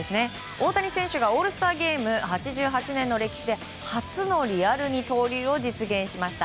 大谷選手がオールスターゲーム８８年の歴史で初のリアル二刀流を実現しました。